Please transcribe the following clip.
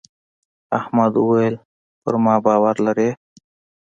احمد وويل: پر ما باور لرې.